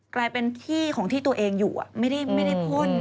กลายเป็นที่ของที่ตัวเองอยู่ไม่ได้พ่น